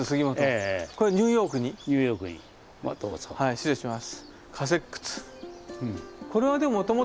失礼します。